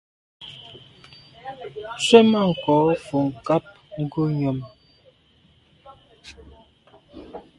Tswemanko fo nkàb ngùyàm.